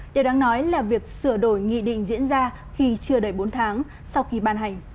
điều đáng nói là việc sửa đổi nghị định diễn ra khi chưa đầy bốn tháng sau khi ban hành